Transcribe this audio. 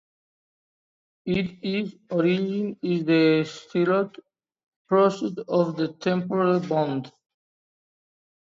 Its origin is the styloid process of the temporal bone.